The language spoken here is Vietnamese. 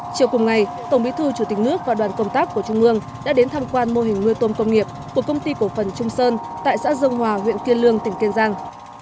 chiều cùng ngày tổng bí thư chủ tịch nước và đoàn công tác của trung ương đã đến tham quan mô hình nuôi tôm công nghiệp của công ty cổ phần trung sơn tại xã dông hòa huyện kiên lương tỉnh kiên giang